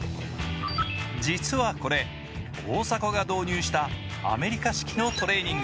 実はこれ、大迫が導入したアメリカ式のトレーニング。